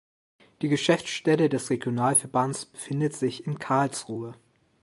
Die Geschäftsstelle des Regionalverbands befindet sich in Karlsruhe.